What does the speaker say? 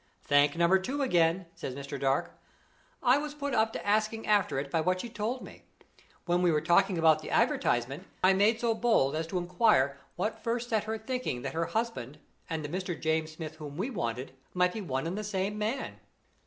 "Thank Number Two again," says Mr. Dark. "I was put up to asking after it by what she told me. While we were talking about the advertisement, I made so bold as to inquire what first set her thinking that her husband and the Mr. James Smith whom we wanted might be one and the same man.